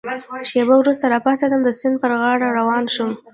شېبه وروسته را پاڅېدم، د سیند پر غاړه روان شوم.